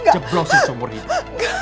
jeblosin seumur hidup